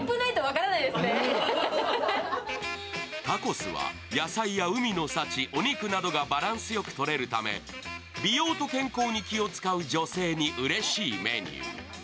タコスは野菜や海の幸、お肉などがバランスよくとれるため、美容と健康に気を遣う女性にうれしいメニュー。